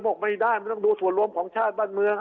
บอกไม่ได้มันต้องดูส่วนรวมของชาติบ้านเมือง